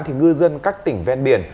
thì ngư dân các tỉnh ven biển